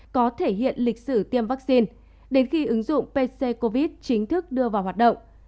có thể hiện lịch sử tiêm vaccine đến khi ứng dụng pc covid chính thức đưa vào hoạt động